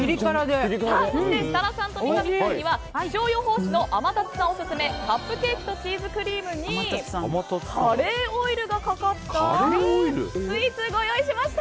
そして、設楽さんと三上さんには気象予報士の天達さんオススメカップケーキとチーズクリームにカレーオイルがかかったスイーツをご用意しました。